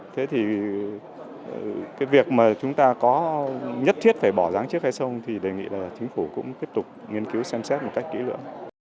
thế thì cái việc mà chúng ta có nhất thiết phải bỏ giáng trước hay không thì đề nghị là chính phủ cũng tiếp tục nghiên cứu xem xét một cách kỹ lưỡng